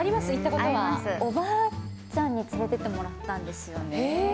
おばあちゃんに連れていってもらったんですよね。